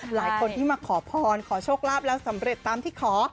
หลายคนที่มาขอพรขอโชคลาภแล้วสำเร็จตามที่ขอ